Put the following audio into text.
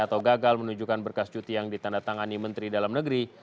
atau gagal menunjukkan berkas cuti yang ditandatangani menteri dalam negeri